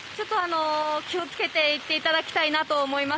気を付けて行っていただきたいと思います。